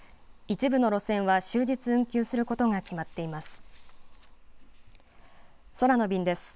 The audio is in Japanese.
一部の路線は終日運休することが決まっています。